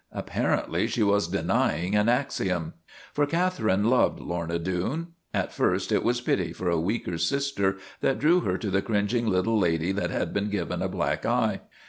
Apparently she was denying an axiom. For Catherine loved Lorna Doone. At first it was pity for a weaker sister that drew her to the cringing little lady that had been given a black eye.